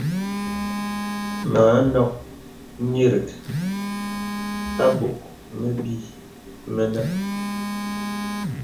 Mə anɔk nyìrìk a bɔk məbì mənə.